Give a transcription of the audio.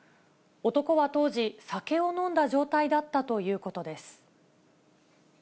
男は当時、酒を飲んだ状態だったということです。